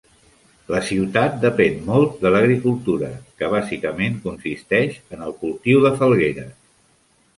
La ciutat depèn molt de l'agricultura, que bàsicament consisteix en el cultiu de falgueres.